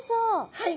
はい。